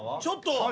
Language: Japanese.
ちょっと。